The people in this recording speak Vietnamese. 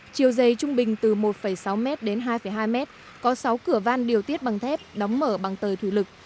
chiều dày trung bình từ một sáu mét đến hai hai mét có sáu cửa van điều tiết bằng thép đóng mở bằng tờ thủy lực